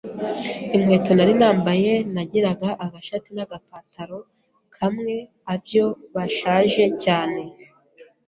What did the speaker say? inkweto nari nambaye, nagiraga agashati n’agapataro kamwe abyo bashaje cyane,